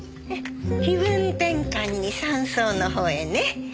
気分転換に山荘のほうへね。